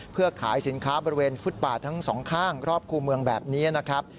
เพื่อขายสินค้าบริเวณฟุตบาททั้งสองข้างรอบคู่เมืองแบบนี้นะครับ